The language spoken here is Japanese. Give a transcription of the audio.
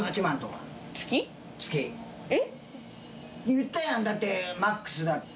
言ったやんだってマックスだって。